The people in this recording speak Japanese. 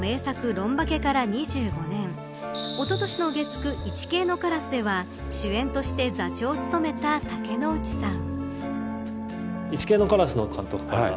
ロンバケから２５年おととしの月９イチケイのカラスでは主演として座長を務めた竹野内さん。